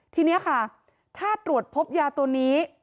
ทีนี้ค่ะถ้าตรวจพบยาตัวนี้